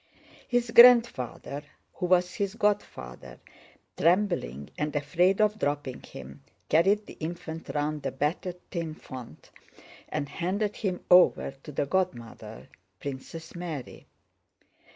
His grandfather, who was his godfather, trembling and afraid of dropping him, carried the infant round the battered tin font and handed him over to the godmother, Princess Mary.